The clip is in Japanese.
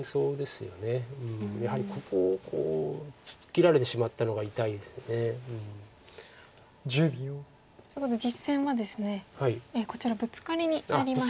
やはりここをこう切られてしまったのが痛いですよね。ということで実戦はですねこちらブツカリになりました。